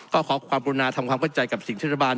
ก็ขอความกรุณาทำความเข้าใจกับสิ่งที่รัฐบาล